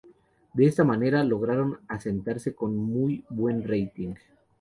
De esta manera, lograron asentarse con muy buen rating.